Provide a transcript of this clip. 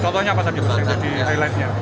soalnya apa tadi berarti highlightnya